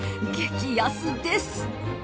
激安です。